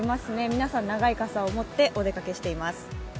皆さん長い傘を持ってお出かけしています。